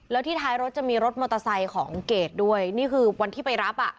แล้วที่ท้ายรถจะมีรถมอเตอร์ไซค์ของเกดด้วยนี่คือวันที่ไปรับอ่ะ